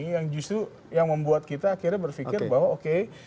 yang justru yang membuat kita akhirnya berpikir bahwa oke